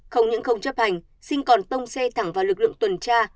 không những không chấp hành sinh còn tông xe thẳng vào lực lượng tuần tra